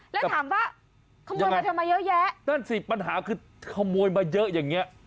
แล้วถามว่าขโมยมาทำไมเยอะแยะนั่นสิปัญหาคือขโมยมาเยอะอย่างเงี้ย